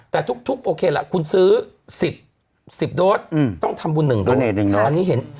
แต่ทุกโอเคล่ะคุณซื้อ๑๐โดสต้องทำบุญ๑โดส